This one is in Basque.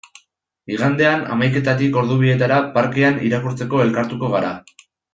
Igandean, hamaiketatik ordu bietara, parkean irakurtzeko elkartuko gara.